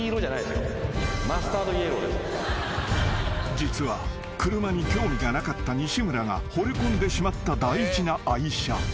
［実は車に興味がなかった西村がほれ込んでしまった大事な愛車］